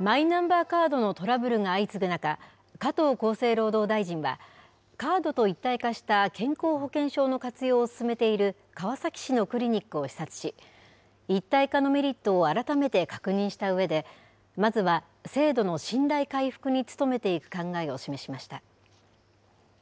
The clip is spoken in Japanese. マイナンバーカードのトラブルが相次ぐ中、加藤厚生労働大臣は、カードと一体化した健康保険証の活用を進めている川崎市のクリニックを視察し、一体化のメリットを改めて確認したうえで、まずは制度の信頼回復に努めていく考えを示しました。